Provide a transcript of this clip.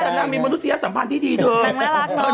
เขาจะนางมีมนุษยสัมพันธ์ที่ดีจริง